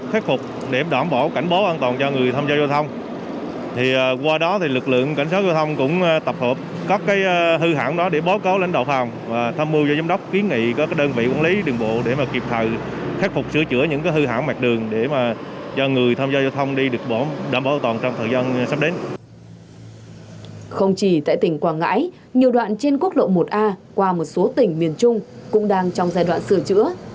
không chỉ tại tỉnh quảng ngãi nhiều đoạn trên quốc lộ một a qua một số tỉnh miền trung cũng đang trong giai đoạn sửa chữa